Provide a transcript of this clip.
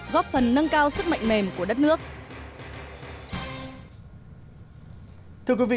góp phần nâng cao sức mạnh mềm của đất nước